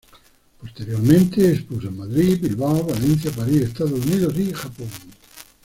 Posteriormente, expuso en Madrid, Bilbao, Valencia, París, Estados Unidos y Japón.